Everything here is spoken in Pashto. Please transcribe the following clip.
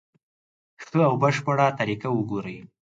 ښه او بشپړه طریقه وګوري.